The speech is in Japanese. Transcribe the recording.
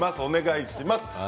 お願いします。